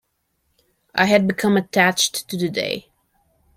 I had become attached to the day.